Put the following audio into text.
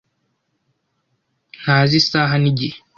ntazi isaha nigihe.